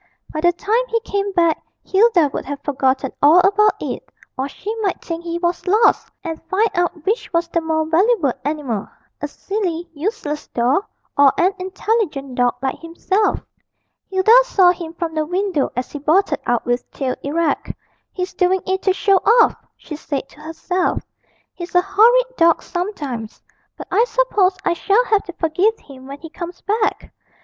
By the time he came back Hilda would have forgotten all about it, or she might think he was lost, and find out which was the more valuable animal a silly, useless doll, or an intelligent dog like himself. Hilda saw him from the window as he bolted out with tail erect. 'He's doing it to show off,' she said to herself; 'he's a horrid dog sometimes. But I suppose I shall have to forgive him when he comes back!'